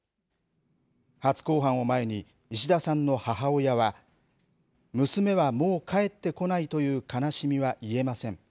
初公判を前に、石田さんの母親は、娘はもう帰ってこないという悲しみは癒えません。